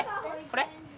これ？